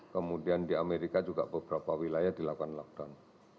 kemudian di amerika juga beberapa wilayah dilakukan lockdown